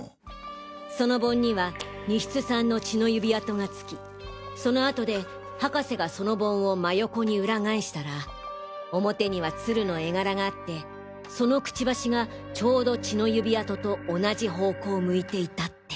その盆には西津さんの血の指跡が付きその後で博士がその盆を真横にウラ返したら表には鶴の絵柄があってそのクチバシがちょうど血の指跡と同じ方向を向いていたって。